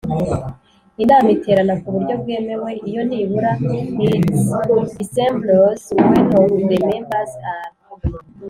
Inama iterana ku buryo bwemewe iyo nibura It assembles when of the members are